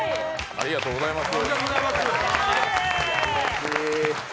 ありがとうございます！